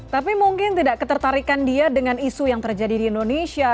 tapi mungkin tidak ketertarikan dia dengan isu yang terjadi di indonesia